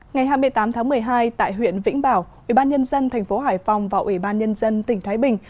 ngày hai mươi tám tháng một mươi hai tại huyện vĩnh bảo ủy ban nhân dân thành phố hải phòng và ủy ban nhân dân tỉnh thái bình